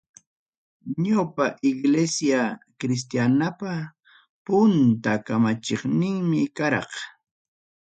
Ñawpaq Iglesia Cristianapa punta kamachiqninmi karaq.